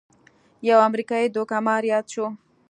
یو امریکايي دوکه مار یاد شو.